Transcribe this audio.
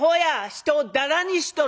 人をダラにしとる」。